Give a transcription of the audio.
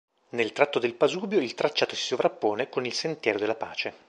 Nel tratto del Pasubio, il tracciato si sovrappone con il sentiero della Pace.